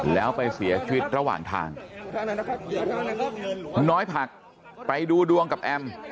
แล้วไปเสียชีวิตระหว่างทางน้อยผักไปดูดวงกับแอม